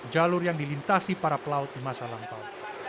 jalur yang dilintasi para pelaut di masa lampau